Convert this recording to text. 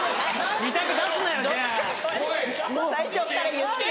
最初っから言ってよ。